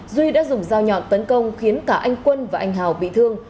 duy đã dùng dao nhọn tấn công khiến cả anh quân và anh hào bị thương